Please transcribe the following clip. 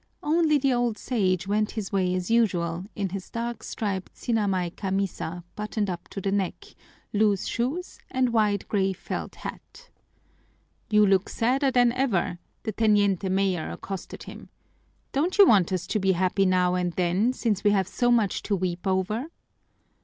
Only the old Sage went his way as usual in his dark striped sinamay camisa buttoned up to the neck, loose shoes, and wide gray felt hat. "You look sadder than ever!" the teniente mayor accosted him. "Don't you want us to be happy now and then, since we have so much to weep over?"